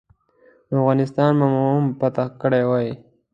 نو افغانستان به مو فتح کړی وای.